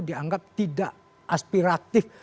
dianggap tidak aspiratif